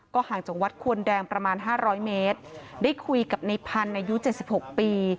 ห่างจากวัดควนแดงประมาณ๕๐๐เมตรได้คุยกับในพันธุ์อายุ๗๖ปี